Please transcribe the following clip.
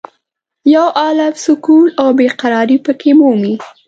یو عالم سکون او بې قرارې په کې مومې.